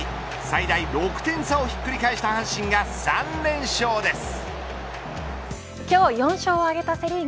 最大６点差をひっくり返した阪神が３連勝です。